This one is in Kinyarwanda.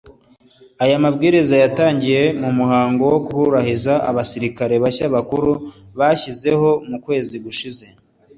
Aya mabwiriza yayatangiye mu muhango wo kurahiza abasirikare bashya bakuru yashyizeho mu kwezi gushize